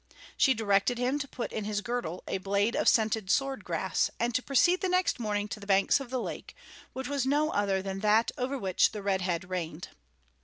She directed him to put in his girdle a blade of scented sword grass and to proceed the next morning to the banks of the lake, which was no other than that over which the Red Head reigned.